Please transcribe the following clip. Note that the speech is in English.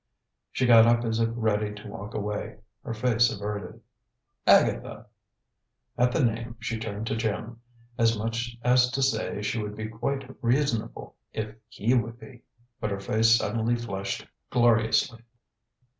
She got up as if ready to walk away, her face averted. "Agatha!" At the name she turned to Jim, as much as to say she would be quite reasonable if he would be. But her face suddenly flushed gloriously.